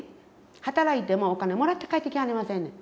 働いてもお金もらって帰ってきはりませんねん。